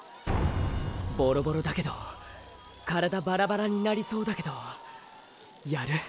ボロボロだけど体バラバラになりそうだけどやる？